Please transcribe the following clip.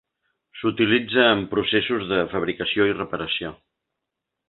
S'utilitza en processos de fabricació i reparació.